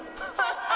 ハハハハ！